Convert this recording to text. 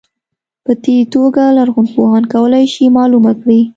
په دې توګه لرغونپوهان کولای شي معلومه کړي.